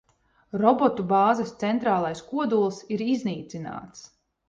Robotu bāzes centrālais kodols ir iznīcināts.